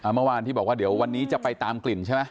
เมื่อวานที่บอกว่าเดี๋ยววันนี้จะไปตามกลิ่นใช่ไหม